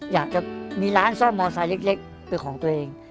อยากจะมีร้านซ่อมมอไซค์เล็กเป็นของตัวเอง